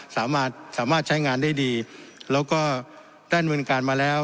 สามารถใช้งานได้ดีแล้วก็ได้ดำเนินการมาแล้ว